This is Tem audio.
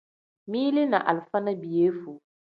Mili ni alifa ni piyefuu.